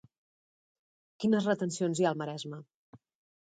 Quines retencions hi ha al Maresme?